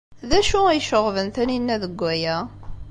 D acu ay iceɣben Taninna deg waya?